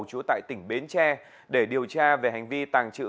trú tại tỉnh bến tre để điều tra về hành vi tàng trữ